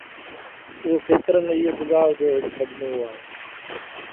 اهو ڪيترن ئي اجزاء جو هڪ مجموعو آهي